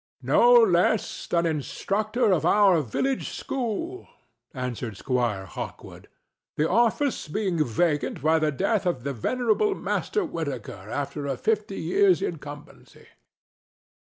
"No less than instructor of our village school," answered Squire Hawkwood, "the office being now vacant by the death of the venerable Master Whitaker after a fifty years' incumbency."